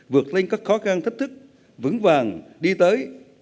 vượt lên các khó khăn thách thức vững vàng đi tới